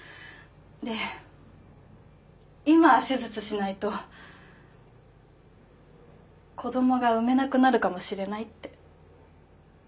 で今手術しないと子供が産めなくなるかもしれないって。